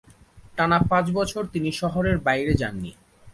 টানা পাঁচ বছর তিনি শহরের বাইরে যাননি।